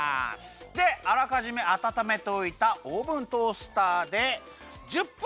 であらかじめあたためておいたオーブントースターで１０分くらいやきます！